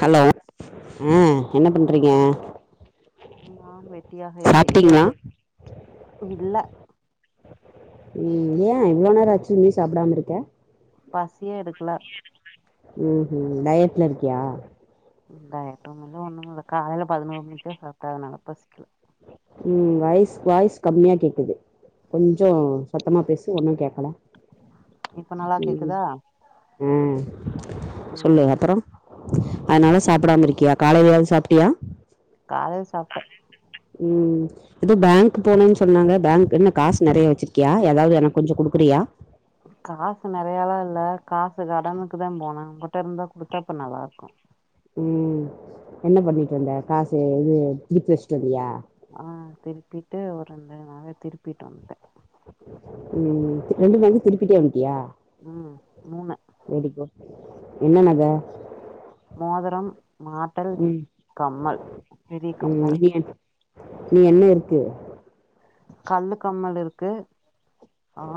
Hello கேக் உம் என்ன பண்றீங்க நான் வெட்டியாக இருக்கிறேன் சாப்ட்டீங்களா இல்ல உம் ஏ ‌ இவ்வளோ நேரோ ஆச்சு இன்னு சாப்பிடாம இருக்க பசியே எடுக்கல ம் ‌‌ம் டயட்ல இருக்கியா இந்தா ஏற்றம் இல்ல ஒண்ணும் இல்ல காலைல பதினோரு மணிக்கு தான் சாப்ட்ட அதனால பசிக்கல உம் வாய்ஸ் வாய்ஸ் கம்மியா கேக்குது கொஞ்ஜோ சத்தமா பேசு ஒன்னு கேட்கல இப்ப நல்லா கேக்குதா உம் ம் சொல்லுஹத்தறம் [inaudible] அதனால சாப்பிடாம இருக்கியா காலையிலச் சாப்ட்டியா காலயில சாப்பிட்டே உம் ஏதோ பேங்க் போனேன்னு சொன்னாங்க பேங்க் என்ன காசு நிறைய வச்சிருக்கியா ஏதாவது எனக்கு கொஞ்சம் கொடுக்குறியா காசு நிறையாலாம் இல்ல காசு கடனுுக்கு தான் போனேன் உங்ககிட்ட இருந்தா குடுத்தா இப்ப நல்லா இருக்கும் உம் என்ன பண்ணிட்டு வந்தே காசு இது திருப்பி வச்சுட்டு வந்தியா ஆஹ் திருப்பிட்டு இருந்து நக திருப்பிட்டு வன்டேன் உம் ரெண்டு பே திருப்பிட்டே ம் மூணு வ [unintelligible] என்ன நக மோதிரம் மாட்டல் ம் கம்மல் பெரி கம்மல் இன் என்ன இருக்கு கல்லு கம்மல் இருக்கு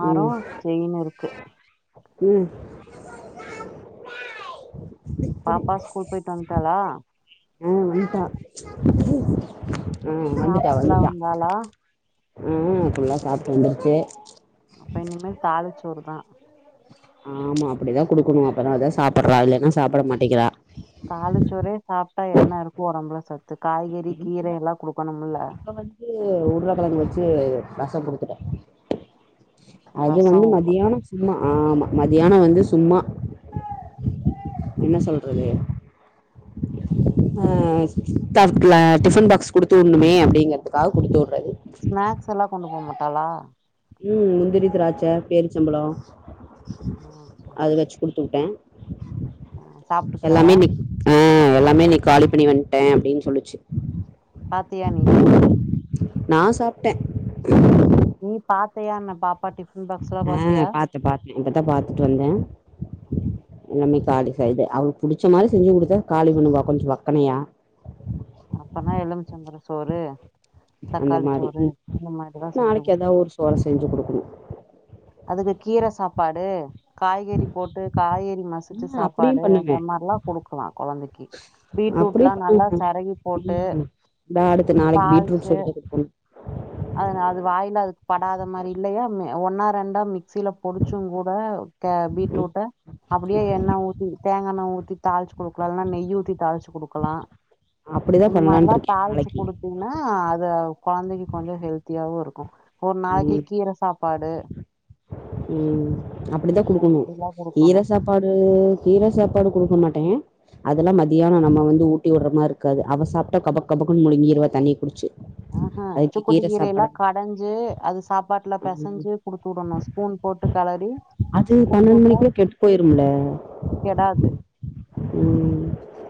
ஆறம் செயின் இருக்கு உம் பாப்பா ஸ்கூல் போயிட்டு வன்டாளா ஆஹ் வன்டா ஆஹ் வந்துட்டா சாப்புட்லா வந்துட்டா வந்தாளா ஆஹ் அப்படல்லாம் சாப்பிட்டு வந்தருச்சு அப்ப இனிமே தாலிச்சோறு [unintelligible] ஆமா அப்படிதான் குடுக்கணும் அப்பன அதான் சாப்பிடறா இல்லைன்னா சாப்பிட மாட்டேங்கிறா தாலுச்சோறே சாப் டா என்ன இருக்கும் உடம்பல ச இப்ப வந்து உருளக்கிழங்கு வச்சு ரசம் கொடுத்துட்டேன் அது ரசோ வந்து மதியானம் சும்மா ஆமாம் மத்தியானம் வந்து சும்மா என்ன சொல்றது ஆஹல டிபன் பாக்ஸ் குடுத்து விடணுமே அப்படிங்கறிறதுக்காக குடுத்து விணு ஸ்நாக்ஸ் எல்லாம் கொண்டு போக மாட்டோ பலம் உம் முந்திரி திராட்சை பேருச்சம் பழம் ம் சேரி அது சேரி வச்சு குடுத்து விட்டேன். ஆ எல்லாமே சாப்ட்டுக்கறாளா நீ ஆஹ் எல்லாமே நீ காலே பண்ணி வந்துட்டேன் அப்படின்னு சொல்லிச்சு. பாத்தியா நீய நான் சாப்பிட்டேன். நீ பாத்தையா என்ன பாப்பா டிஃபன் பாக்ஸ்லா ஆஹ் பாத்தியா பார்த்தன் பாார்த்தேன். இப்போ தான் பார்த்துட்டு வந்தேன். எல்லாமே காலி க அவக்கு புடிச்ச மாதிரி செஞ்சு கொடுத்தா காலி பண்ணுவா, கொஞ்சம் வக்கனையா. அப்பனா எலுமிச்சம்பழ சோறு அந்த தக்காளி மாதிரி சோறு இந்த மாரிதா செஞ்சு நாளைக்கு குடுக்கு ஏதாவது ஒரு சோர செஞ்சு குடுக்கணும். அதுக்கு கீரை சாப்பாடு காய்கறி போட்டு காய்கறி மசிச்ச ம் அப்டியு சாப்பாடு அந்த பண்ணுவே மார்லா குடுக்கலா கொழந்தைக்கு அப்டியு பீட்ரூட்லா நல்லா பண்ணுவே செரவி போட்டு ம் இந்தா அடுத்து நாளைக்கு பீட்ரூட் தாள்ச்சு சோறு தா குடுக்கணு அவ்ங்க அது வாயில அதுக் படாத மாரி இல்லையா ஒன்னா ரெண்டா மிக்சில பொடிச்சுங் கூட த ம் பீட்ரூட்டை அப்படியே எண்ணெய் ஊற்றி தேங்காய எண்ணய் ஊற்றி தாளிச்சு கொடுக்கலாம், இல்னா நெய் ஊற்றி தாளிச்சு குடுக்கலாம், அப்டிதா இந்த மாதிரிலாம் பண்லான்ட்ருக்கே தாளிச்சு நாளைக்கு கொடுத்தீங்கன்னா அது குழந்தை ஹெல்த்தியாவு இருக்கு ஒரு நாளைக்கு கீர சாப்பாடு உம் அப்டித்தா இந்த குடுக்கணு மாதிரிலாம் கீர குடுக்கணும் சாப்பாடு கீர சாப்பாடு குடுக்க மாட்டே அதெல்லா மத்யான நம்ம வந்து ஊட்டி விட்ற மார்ருக்காது அவ சாப்ட்டா கபக் கபக்குன் முழுங்கிருவா தண்ணிய குடிச்சு ஆஹ்ஹா அதுக்கு சுக்குட்டு கீர கீரைலா சாப்பாடு கடஞ்சு அது சாப்பாட்ல ம் பெசஞ்சு குடுத்து விடணு ஸ்பூன் போட்டு கெளறி அது பன்னெண்டு குடுத்துட்டா மணிக்குள்ள கெட்டு போயிரும்ல கெடாது ம்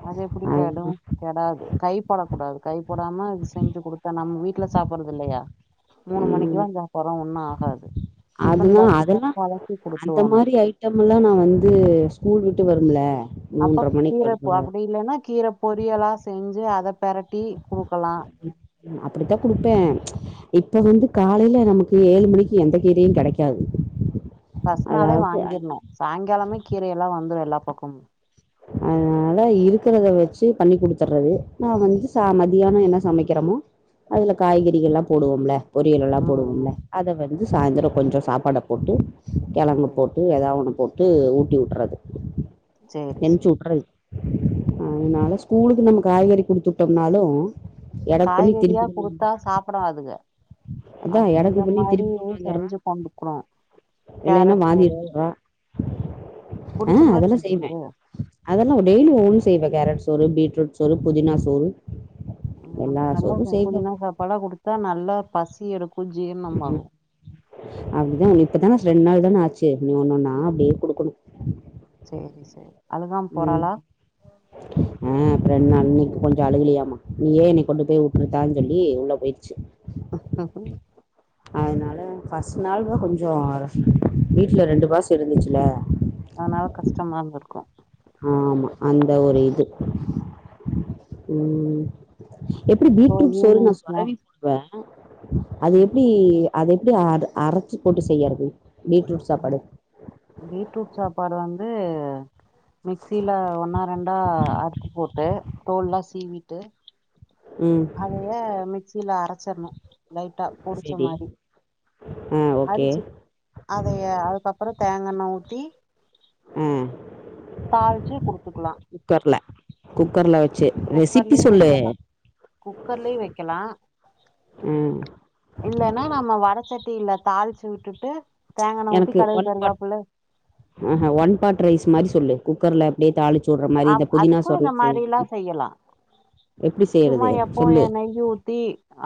அது எப்டி கெடு அதுதா கெடாது கைபோடக்கூடாது கைப்போ படாம அது செஞ்சு குடுத் தா நம் வீட்ல சாப்பறது இல்லயா மூணு மணிக்கு தா போ போறோ அது அதெல்லா கலக்கி அந்த குடுத்துடணு மாரி ஐட்டம்லா நா வந்து ஸ்கூல் விட்டு வரும்ல அப்ப மூன்ற மணிக்கு கீரப் வரும்ல அப்டி இல்லனா கீ கீர பொரியலா செஞ்சு அத பெரட் அப்டித்தா குடுப்பே இப்ப வந்து காலைல நமக்கு ஏழு மணிக்கு எந்த கீரையு கெடைக்காது ஃபஸ்ட் நாளே அதாவது வாங்கிர்ணு சாய்ங்காலமே கீரையெல்லா வந்து எல்லா பக்கமு அதனாலதா இருக்கிறத வச்சே பண்ணி குடுத்துட்றது நா வந்து ச மத்யான என்ன சமைக்கிறமோ அதுல காய்கறிகள்லா போடுவோம்ல பொரியல்லலா ம் போடுவோம்ல ம் அத வச் இது சாய்ந்தர கொஞ்ச சாப்பாட்ல போட்டு கெழங்கு சேரி போட்டு எதாவ்து ஒன்னு போட் ட்டு ஊட்டி விட்றது சேரி சேரி அதனால ஸ்கூலுக்கு நம்ம காய்கறி குடுத்துட்டம்னாலு காய்கறியா குடுத்தா சாப்டாதுக அதா அதுக்கு எடக்கு இந்த பண்ணி மாரி திருப்பி எதா கொண்டு வந்துர்றா செஞ்சு தந்துக்குவ இல்லைன்னா கேரட் வாந்தி சோரு எடுத்துட்றா ஆ புடிச்ச மாரி அதெல்லா செஞ்சு செய்வே குடு அதெல்லா டெய்லி ஓன்னு செய்வே கேரட் சோரு பீட்ரூட் சோரு புதினா சோரு ஆமா நல்லா இருக்கு புதினா சாப்பாடா குடுத்தா நல்லா பசி எடுக் கு ஜீர்ணமாகு அப்டிதா இப்பதா ரெண்டு நாள் தானே ஆச்சு இனி ஒன்னொன்னாதா அப்டியே குடுக்கணு சேரி சேரி அழுகாம உம் போறாளா ஆஹ் ரெண்ட்நாள் இன்னைக்கி கொஞ்சொ அழுகலியாமா நீயே என்னை கொண்டு போய் உட்டுருத்தான் சொல்லி உள்ள பொயிருச்சி [unintelligible] அதனால ஃபர்ஸ்ட் நாள்தா கொஞ்சொ வீட்ல ரெண்டு மாசொ இருந்துச்சில அதனால கஷ்டமா இருந்திருக்கு ஆமா அந்த ஒரு இது உம் எப்டி இப்போ பீட்ரூட் சோறு ஈவினிங் நான் சொரவி ஸ்நாக்ஸ் போடுவே அது ம் எப்டி அத எப்டி அர் அரச்சி போட்டு செய்யறது பீட்ரூட் சாப்பாடு பீட்ரூட் சாப்பாடு வந் து மிக்சியில ஒன்னா ரெண்டா அறுத்து போட்டு தோல் லா சீவிட்டு ம் அதைய மிக்சில அர ச்சிற்ணு லைட்டா பொடிச்ச சரி மாரி ஆ ஓகே அடிச்சு அதைய அதுக்கப்றொ தேங்கெண்ண ஊத்தி உம் தாள்ச்சு குடுத்துக்லா குக்கர்ல வச்சு ரெசிபி குக்கர்லயு சொல்லு வெக்கலா குக்கர்லயு வெக்கலா ஆ இல்லைன்னா நம்ம வடச்சட்டியில தாள்ச் சு விட்டுட்டு எனக்கு ஒன் பாட் கருகாப்புள்ள ஆஹா ஒன் பாட் ரைஸ் மாரி சொல்லு குக்கர்ல அப்டியே தாளிச் சொல்ற மாரி இந்த அப் புதினா அதுக்கு இந்த சோர்லா செய் மாரில்லா செய்யலா சும்மா எப்போ எநெயி ஊத்தி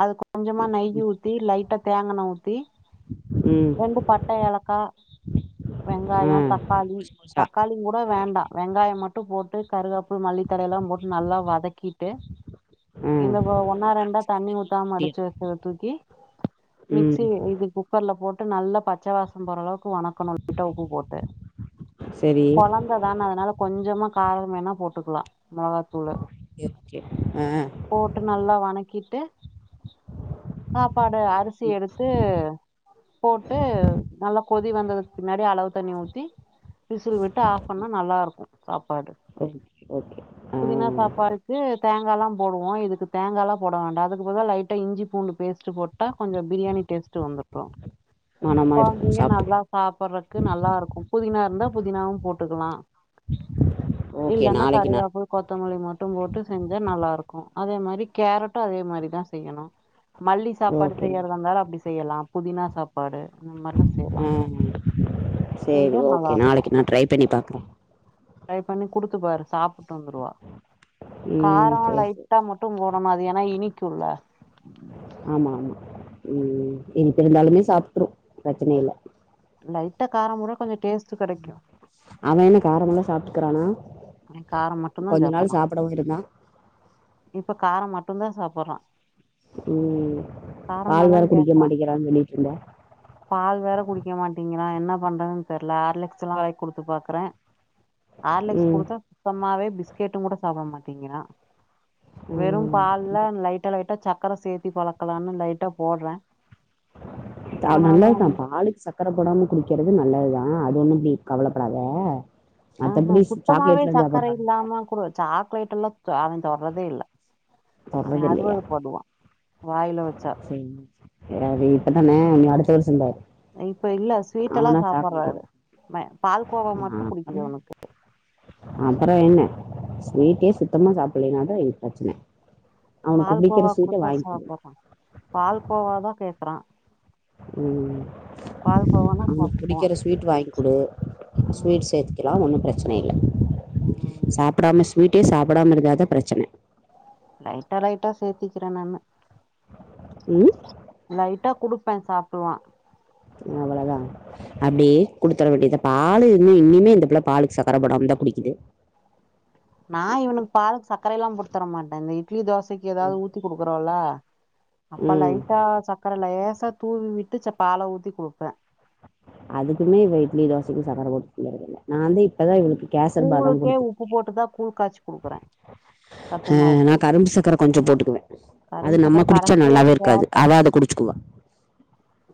அது கொஞ்சமா நெய் ஊத்தி லைட்டா தேங்காண்ண ஊத்தி ம் ரெண்டு பட்ட ஏலக்கா ஆ வெங்காயொ தக்காளி முழுசு முழுசா தக்காளிங்கூட வேண்டா வெங்காயம் மட் டு போட்டு கருகாப்ல் மல்லித்தழையலா போட்டு நல்லா வதக்கிட்டு ஆ இந்த வ ஒன்னா ரெண்டா தண்ணி ஊத்தாம அடிச்சு வக்கத தூக்கி ம் மிக்சி இது குக்கர்ல போட் டு நல்லா பச்ச வாசொ போறளவுக்கு வனக் கனு லைட்டா உப்பு போட்டு சரி குழந்த தான அதனால கொஞ்சமா கார வேணா போட்டுக்கலா மொளகாத்தூளு ஓகே ஓகே ஆ போட்டு நல்லா வனக்கிட்டு சாப்பாடு அரிசி எடுத்து போட்டு நல்லா கொதி வந்ததுக்கு பின்னாடி அளவு தண்ணி ஊத்தி விசில் விட்டு ஆஃப் பண்ணா நல்லா இருக்கு கப் பாடு ஓகே ஓகே ஆ புதினா சாப்பாட்கு தேங்காலா போடுவோம் இதுக்கு தேங்காலா போட வேண்டாம் அதுக்கு பதிலா லைட்டா இஞ்சி பூண்டு பேஸ்ட் போட்டா கொஞ்சொம் பிரியாணி டேஸ்ட்டு வந்துரு மனமா இருக்கு கொழந்திங்க சாப்ட்டு நல்லா சாப்புற்றக்கு நல்லாருக்கும் புதினா இருந்தா புதினாவும் போட்டுக்கலாம் ஓகே இல்லன்னா நாளைக்கு நா கருவேப்ல கொத்தமல்லி மட்டும் போட்டு செஞ்சா நல்லாருக்கும் அதே மாரி கேரட்டும் அதே மாரிதான் செய்யணு மல்லி சாப்பாடு ஓகே செய்யற்தந்தாலும் அப்டி செய்யலான் புதினா சாப் பாடு ஆஹ் சேரி செஞ்சா நல்லா ஓகே இருக்கு நாளக்கி நா ட்ரை பண்ணி பாக்குறன் ட்ரை பண்ணி குடுத்துபாரு சாப் டு வந்துருவா ம் காரம் சேரி சேரி லைட்டா மட்டும் போடணும் அது ஏன்னா இனிக் குள்ள ஆமா ஆமா ம் ம் இனிப்பிருந்தாலுமே சாப்ட்ரும் ப்ரச்சனே இல்ல லைட்டா காரம் மூர கொஞ்சொம் அவன் என்ன காரமெல்லா சாப்ட்டு க்ராணா காரம் மட்டும் தான் சாப்புட்றான் இருந்தான் இப்ப கார மட் ட்டும்ந்தான் சாப்புட்றான் ம் பால் வேர குடிக்க கேக்குறா மாட்டேங்கிறான் சொல்லி ந்தா பால் வேற குடிக்க மாட்டேங்கிறான் என்ன பண்றதுன் தெர்ல ஆர்லிக்ஸ்லா வாய் குடுத்து பாக்குறன் ஆர்லிக்ஸ் ம் குடுத்தா தும்மாவே பி பிஸ்கெட்டும் கூட சாப்புட மாட்டேங்குறான் வெறும் ம் பால்ல லைட்டா லைட்டா சக் சக்கர சேத்தி பலக்கலான்னு லைட்டா போட்றன் த நல்லதுதான் பாலுக்கு சக்கர போடாம குடிக்கறது நல்லதுதான் ஆஹ் அது ஒண்ணும் பி கவலப்படாத ஆஹ்ஹ மத்தபடி குத்தமாவே சாக்லேட்லாம் சர்க்கர சாப்டுறான்ல இல்லாம குடு சாக்லேட் எல்லாம் சோவன் தொட்ரதே இல்ல அவ தர்ரதில்லயா அருவருப்படுவா வாயில வச்சா [inaudible] அது இப்பதான அடுத்த வர்ஸ் சா [unintelligible] இப்ப இல்ல ஸ்வீட்டல்லாம் சாப்பட்றாரு வேணா ம பால் கோவா அ மட்டும் புடிக்குது அவனுக்கு பறொம் என்ன ம் ஸ்வீட்டே சுத்தமா சாப் இல்லைனா தான் இங் ப்ரச்ன பால் கோவா குத்தா குடு சாப்புட்றான் பால் கோவாதான் கேக்குறான் உம் அவ்னுக் சாப்ட்டுக்குவா புடிக்கிற ஸ்வீட் வாங்குடு ம் ஸ்வீட் சேத்திக்க லாம் ஒன்னும் ப்ரச்சன இல்ல ம் சாப்டாமஸ் வீட்டே சாப்படாம இருந்தா தான் ப்ரச்சன லைட்டா லைட்டா சேர்த்திக்கிற நானு ம் லைட்டா குடுப்பன் சாப்டுவான் அவளதான் அப்யே குடுத்தர வேண்டியதா பாலு இன்னும் இன்னியுமே இந்த புள்ள பாலுக் சக்கர போடம்ந்தான் குடிக்கிது கரையெல்லாம் போட்த்தரமாட்டாங்க இ ட்லி தோசக்கி ஏதாவ்து ஊத்தி குடுக்குறோல்ல அப்ப‌ ம் லைட்டா சக்கர லேஸ் ச தூவி விட்டு ச பால ஊத்தி குடுப்பன் அதுக்குமே இவ இட்லி தோசக்கும் சக்கர போட் [inaudible] நாந்து இப்பதா இவளுக்கு கேசர்பாதாம் கூழுக்கே உப்பு குடுத்துருக்கே போட்டுதா கூழ் காய்ச்சி குடுக்குறே சத்துமாவு அஹ் நா கூழ் கரும்பு சக்கர கொஞ்சம் போட்டுக்குவன் கரும் அது சக்கர நம்ம குடிச்சா கடைசியா நல்லாவே இருக்காது கேப்பே அவ அத குடிச்சுக்குவா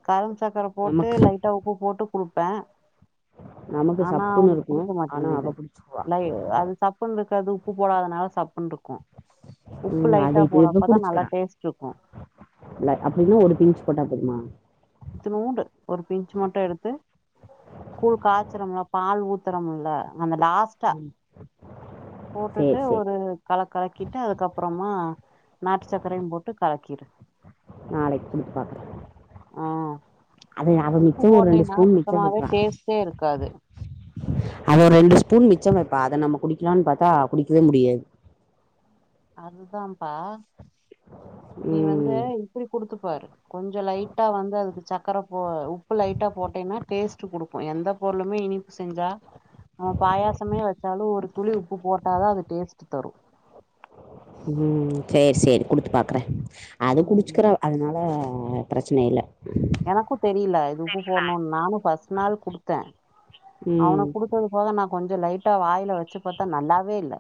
கரும் சக்கர போட்டு நமக்கு லைட்டா உப்பு போட்டு குடுப்பன் நமக்கு சப்புனு இருக்கும் [unintelligible] லை அது சப்புன்ருக்காதுப் பு போடாதனால சாப்புன்ருக்கும் ம் அத இது எதும் நல்லா குடிச்குறா டேஸ்ட் இருக்கு ல அப்டின்னு ஒரு பீச் போட்டா [unintelligible] இத்துனூன்டு ஒரு பின்ச் மட்டு எடுத்து கூழ் காச்சிறம்ல பால் ஊத்தறம்ல அந்த லாஸ்ட்டா ம் சேரி போட்டுட்டு சேரி ஒரு கலக்கலக்கிட்டு அதுக்கப்றமா நாட்டு சக்ரயும் போட்டு கலக்கிரு நாளைக் [inaudible] பாக்றே ஆ உப்பு மிச்சம் ஒரு ரெண்டு போட்லைனா ஸ்பூன் மிச்சம் சுத்தமாவே வைப்பா டேஸ்ட்டே இருக்காது அத ஒரு ரெண்டு ஸ்பூன் மிச்சம் வெப்பா அத நம்ம குடிக்கிலான் பாத்தா குடிக்குவே முடியாது அதுதாம்பா நீ வந்து ம் இப்புடி குடுத்துப்பாரு கொஞ்ச லைட்டா வந்து அதுக்கு சக் கரப்போ உப்பு லைட்டா போட்டேனா டேஸ்ட்டு குடுக்கும் எந்த பொருளுமே இனிப் செஞ்சா நம்ம பாயாசமே வச்சாலு ஒரு துளி உப்பு போட்டாதா அது டேஸ்ட்டு தரும் ம் சேர் சேரி குடுத்து பாக்றன் அத ம் குடிச்சிக்றா அதனால ஆ ப்ரச்ன இல்ல எனக்கு தெரில இது உப்பு போடணுன் நானு ஃபஸ் ட்டு நாள் குடுத்தே ம் அவனுக் குடுத்தது போக நா கொஞ்ச லைட்டா வாய்ல வச்சி பாத்தா நல்லாவே இல்ல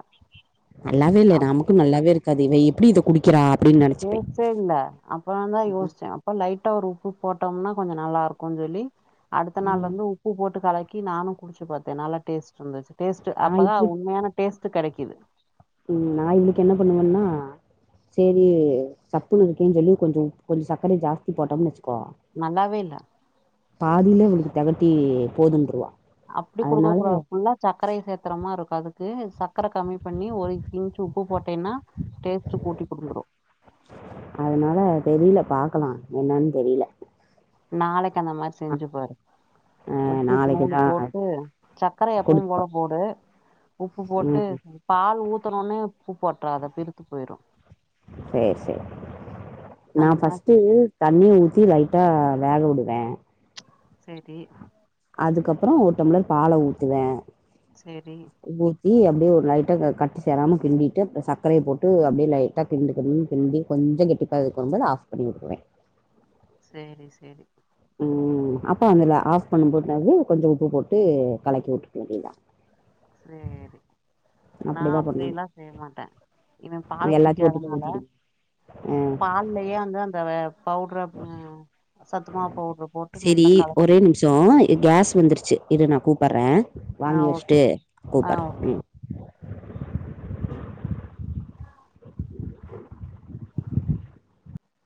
நல்லாவே இல்ல அப்போ நமக்கு நல்லாவேருக்காது இவ எப்டி இத குடிக் கிறா டேஸ்ட்டே இல்ல அப்ற தா ம் யோஸ்ச்சே அப்ப லைட்டா ஒர் உப் புப் போட்டோம்னா கொஞ்ச நல்லாருக்குன் சொல்லி அடுத்த நாள் ம் வந்து உப்பு போட்டு கலக் கி நானு குடிச்சி பாத்தே நல்லா டேஸ்ட்ருந்துச்சு டேஸ்ட்டு நா அப்பதா உண்மயான டேஸ்ட் த்து கெடக்கிது உம் நா இவ்ளுக்கு என்ன பண்ணுவேன்னா செரி சப்புன் இருக்குன் சொல்லி கொஞ்சோ கொஞ்சோ சக்கரய ஜாஸ்தி போட்டோம்னு வச்சுக்கோ நல்லாவே இல்ல பாதிலே உங்ளுக்கு தெகட்டி போதுன்ருவா அப்டி குடுக்க கூடாது ஃபுல்லா சக்கரய சேத்திரமாருக்கு அது கு சக் க்கர கம்மி பண்ணி ஒரு பின்ச் உப்பு போட்டேன்னா டேஸ்ட்டு கூட்டி குடுத்துரு அதனால தெரில பாக்கலா என்னன் தெரில நாளைக் கி அந்த மாறி செஞ்சு பாரு ஆ உப்ப இத்தணூண்டு நாளைக்குதா போட்டு சக்கர எப்பவும் போல குடுப்பா போடு உப்பு போட்டு ம் பால் ஊத்துனோன்னே உப்பு போட்றாத பிருத்து போய்ரு சேர் சேரி நா அந்த மாரி ஃபஸ்ட்டு தண்ணி ஊ த்தி லைட்டா வேக உடுவே சரி அதுக்கப்புறம் ஒரு டம்ளர் பால ஊத்துவே சரி தி அப்டே ஒரு லைட்டா க கட்டி சேராம கிண்டிட்டு அப்புற சக்கரைய போட்டு அப்டே லைட்டா கிண்டு கிண்டுனு கிண்டி கொஞ்சம் கெட்டிப்பததுக்கு வரும்போது ஆஃப் பண்ணி உட்ருவே சேரி சேரி உம் அப்ப அதுல ஆஃப் பண்ணும் போது வந்து கொஞ்சம் உப்பு போட்டு கலக்கி உட்ருனு இதா சேரி நா அப்டிதா பண்ணணு அப்படியல்லா செய்ய மாட்டே இவன் பால் எல்லாத்தையு ஒட்டுக்கா குடிக்காதனால ஊத்திடுங்க ஆ பால்லயே வந்து அந்த பவுட்ர ம் சத்துமாவு பவுட்ர போட்டு செரி நல்லா ஒரே கலக்கினு நிமிஷோ கேஸ் வந்துருச்சு இரு நா கூப்பறே ஆ வாங்கி ஓகே வச்சுட்டு ஆ கூப்பறே ஓகே உம்